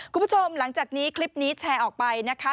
คุณผู้ชมหลังจากนี้คลิปนี้แชร์ออกไปนะคะ